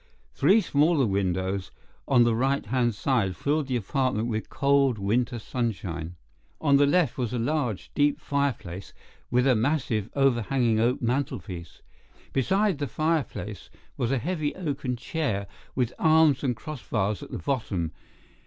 Three smaller windows on the right hand side filled the apartment with cold winter sunshine. On the left was a large, deep fireplace, with a massive, overhanging oak mantelpiece. Beside the fireplace was a heavy oaken chair with arms and cross bars at the bottom.